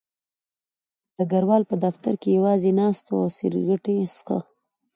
ډګروال په دفتر کې یوازې ناست و او سګرټ یې څښه